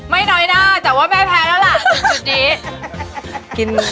ไม่น้อยหน้าแต่ว่าไม่แพ้แล้วล่ะจุดนี้